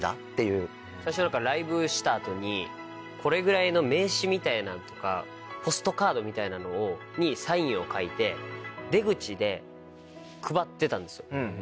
最初ライブした後にこれぐらいの名刺みたいなのとかポストカードみたいなのにサインを書いて出口で配ってたんですよ。